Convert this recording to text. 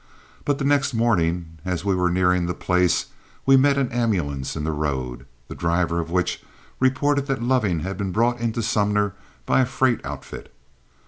But the next morning as we were nearing the place we met an ambulance in the road, the driver of which reported that Loving had been brought into Sumner by a freight outfit.